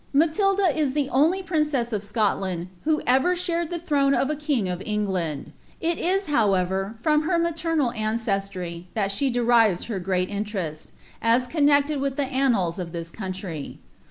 Matilda ia the only princess of Scotland who ever shared the ihroiu of a king of England. It is, however, from her maternal ancestry th^ ■he derives her great interest, us connected with the nnnals of ihia eona Iry.